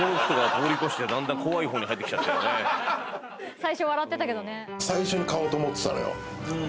最初笑ってたけどね。